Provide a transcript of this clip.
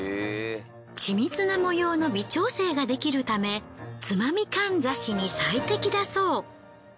緻密な模様の微調整ができるためつまみかんざしに最適だそう。